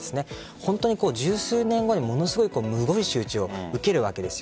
本当に十数年後にものすごいむごい仕打ちを受けるわけです。